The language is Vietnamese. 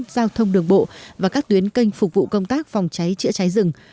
giao thông đường bộ và các tuyến kênh phục vụ công tác phòng cháy chữa cháy rừng